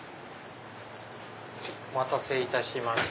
お待たせいたしました